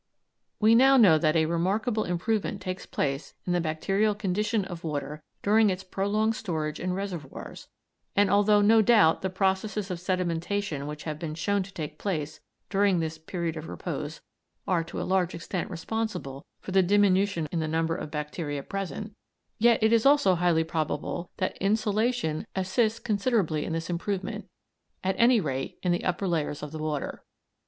We know now that a remarkable improvement takes place in the bacterial condition of water during its prolonged storage in reservoirs, and although, no doubt, the processes of sedimentation which have been shown to take place during this period of repose are to a large extent responsible for the diminution in the number of bacteria present, yet it is also highly probable that insolation assists considerably in this improvement, at any rate, in the upper layers of the water.